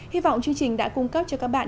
hy vọng chương trình đã cung cấp cho các bạn